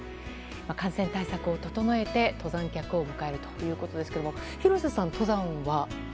感染対策を整えて登山客を迎えるということで廣瀬さん、登山は？